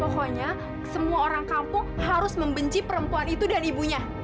pokoknya semua orang kampung harus membenci perempuan itu dan ibunya